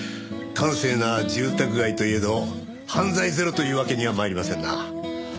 閑静な住宅街といえど犯罪ゼロというわけには参りませんな。